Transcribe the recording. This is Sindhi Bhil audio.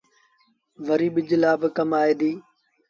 وري ٻج لآ با ڪم آئي ديٚ